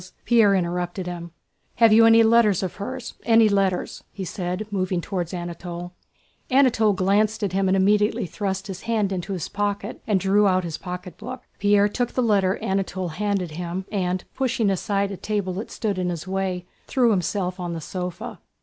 Pierre interrupted him. "Have you any letters of hers? Any letters?" he said, moving toward Anatole. Anatole glanced at him and immediately thrust his hand into his pocket and drew out his pocketbook. Pierre took the letter Anatole handed him and, pushing aside a table that stood in his way, threw himself on the sofa.